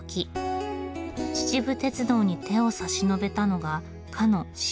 秩父鉄道に手を差し伸べたのがかの渋沢栄一。